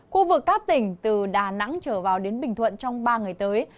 khu vực các tỉnh từ đà nẵng trở vào đến bình thuận trong ba ngày tới